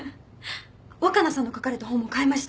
若菜さんの書かれた本も買いました。